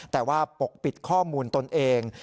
แต่ว่าปกปิดข้อมูลตนเอง